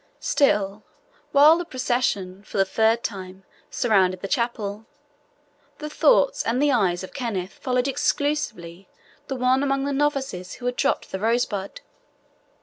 Still, while the procession, for the third time, surrounded the chapel, the thoughts and the eyes of Kenneth followed exclusively the one among the novices who had dropped the rosebud.